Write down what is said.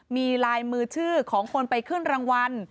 มีลายมือชื่อของคนไปขึ้นรางวัล